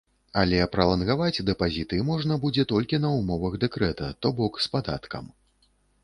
Але пралангаваць дэпазіты можна будзе толькі на ўмовах дэкрэта, то бок з падаткам.